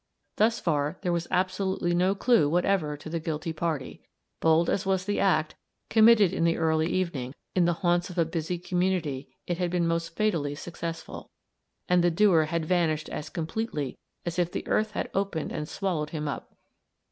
Thus far, there was absolutely no clue whatever to the guilty party; bold as was the act, committed in the early evening, in the haunts of a busy community, it had been most fatally successful; and the doer had vanished as completely as if the earth had opened and swallowed him up.